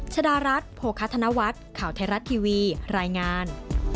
ชดารัฐโภคธนวัฒน์ข่าวไทยรัฐทีวีรายงาน